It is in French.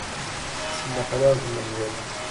S’il n’a pas l’air d’une manivelle !